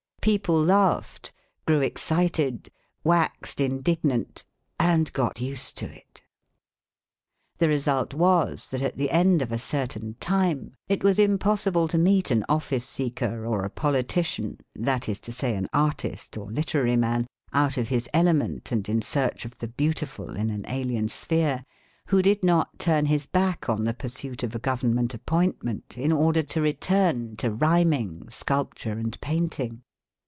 People laughed, grew excited, waxed indignant, and got used to it. The result was that at the end of a certain time it was impossible to meet an office seeker or a politician, that is to say, an artist or literary man, out of his element and in search of the beautiful in an alien sphere, who did not turn his back on the pursuit of a government appointment in order to return to rhyming, sculpture and painting.